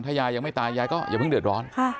ถ้ายายยังไม่ตายยายก็อย่าเพิ่งเดือดร้อน